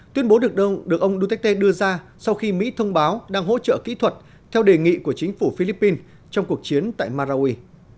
tuyên bố được đâu được ông duterte đưa ra sau khi mỹ thông báo đang hỗ trợ kỹ thuật theo đề nghị của chính phủ philippines trong cuộc chiến tại marawi